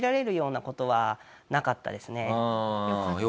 よかった。